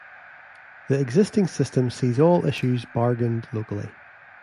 The existing system sees all issues bargained locally.